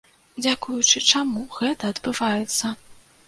Дзякуючы чаму гэта адбываецца?